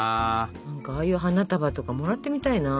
ああいう花束とかもらってみたいな。